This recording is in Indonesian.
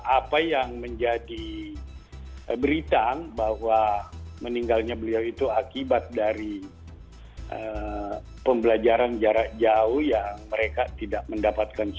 apa yang menjadi berita bahwa meninggalnya beliau itu akibat dari pembelajaran jarak jauh yang mereka tidak mendapatkan